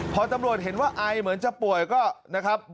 พอตำรวจเห็นว่าไอเหมือนจะป่วยก็นะครับ